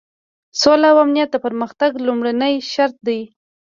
سوله او امنیت د پرمختګ لومړنی شرط دی.